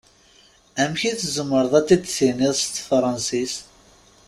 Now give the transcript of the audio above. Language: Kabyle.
Amek i tzemreḍ ad t-id-tiniḍ s tefṛansist?